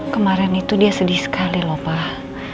kemarin itu dia sedih sekali lho pak